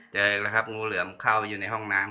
อีกแล้วครับงูเหลือมเข้าไปอยู่ในห้องน้ำ